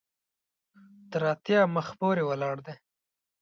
تر اتیا مخ پورې ولاړ دی.